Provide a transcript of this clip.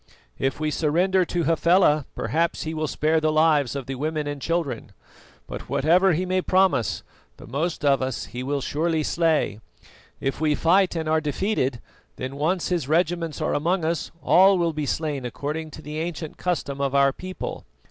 If we surrender to Hafela, perhaps he will spare the lives of the women and children; but whatever he may promise, the most of us he will surely slay. If we fight and are defeated, then once his regiments are among us, all will be slain according to the ancient custom of our people.